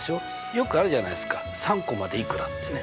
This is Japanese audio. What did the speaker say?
よくあるじゃないですか３個までいくらってね。